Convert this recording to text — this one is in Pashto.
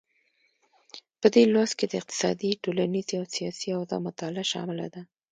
په دې لوست کې د اقتصادي، ټولنیزې او سیاسي اوضاع مطالعه شامله ده.